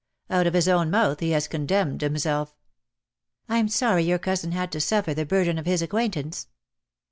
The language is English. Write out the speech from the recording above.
Out of his own mouth he has condemned himself." "I'm sorry your cousin had to suffer the burden of his acquaintance."